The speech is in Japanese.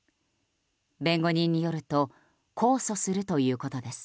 弁護人によると控訴するということです。